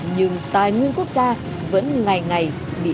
nhưng tài nguyên quốc gia vẫn ngày ngày bị bực khoét